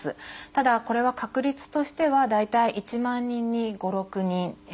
ただこれは確率としては大体１万人に５６人。